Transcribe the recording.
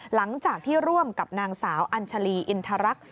หลังจากที่ร่วมกับนางสาวอัญชาลีอินทรรักษ